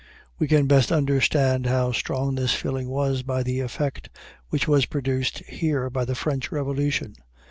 We can best understand how strong this feeling was by the effect which was produced here by the French revolution.